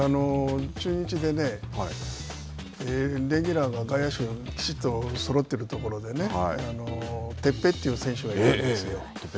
中日で、レギュラーが外野手、きちっとそろっているところでね、鉄平という選手がいたんですよ。